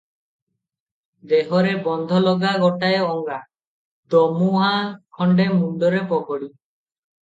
ଦେହରେ ବନ୍ଧଲଗା ଗୋଟାଏ ଅଙ୍ଗା, ଦୋମୁହାଁ ଖଣ୍ଡେ ମୁଣ୍ଡରେ ପଗଡ଼ି ।